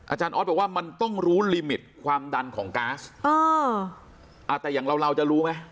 อาจารย์ออสบอกว่ามันต้องรู้ลิมิตความดันของก๊าซแต่อย่างเราเราจะรู้ไหม